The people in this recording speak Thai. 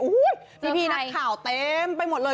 อุ้ยจีบีนัทข่าวเต็มไปหมดเลย